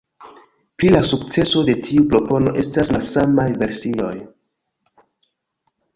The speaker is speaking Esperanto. Pri la sukceso de tiu propono estas malsamaj versioj.